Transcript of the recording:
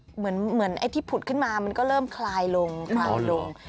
เหมือนไอ้ที่ผุดขึ้นมามันก็เริ่มคลายลงคลายลง